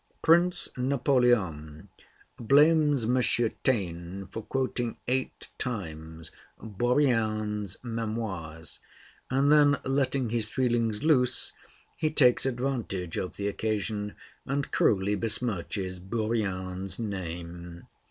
Prince Napoleon blames M. Taine for quoting "eight times" 'Bourrienne's Memoirs,' and then, letting his feelings loose, he takes advantage of the occasion and cruelly besmirches Bourrienne's name.